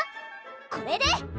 これで！